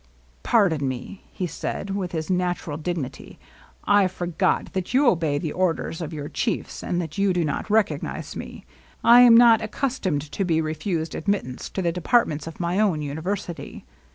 ^^ Pardon me^" he said, with his natural dignity ;^^ I forget that you obey the orders of your chief s, and that you do not recognize me. I am not accustomed to be refused admittance to the departments of my own university.